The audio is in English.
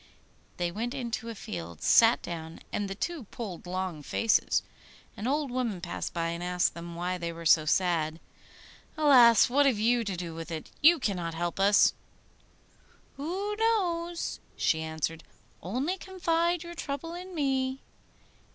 They went into a field, sat down, and the two pulled long faces. An old woman passed by, and asked them why they were so sad. 'Alas! what have you to do with it? You cannot help us.' 'Who knows?' she answered. 'Only confide your trouble in me.